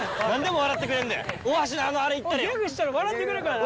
ギャグしたら笑ってくれるかな？